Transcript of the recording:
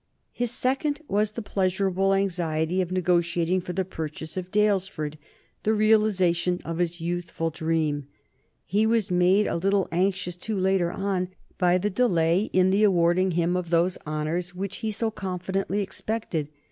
His second was the pleasurable anxiety of negotiating for the purchase of Daylesford, the realization of his youthful dream. He was made a little anxious too, later on, by the delay in the awarding to him of those honors which he so confidently expected.